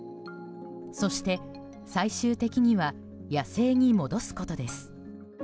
そして、最終的には野生に戻すことです。